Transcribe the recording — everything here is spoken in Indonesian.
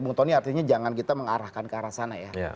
bung tony artinya jangan kita mengarahkan ke arah sana ya